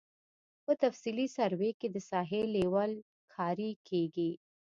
په تفصیلي سروې کې د ساحې لیول کاري کیږي